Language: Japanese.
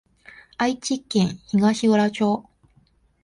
愛知県東浦町